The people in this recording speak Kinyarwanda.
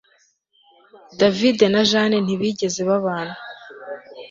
David na Jane ntibigeze babana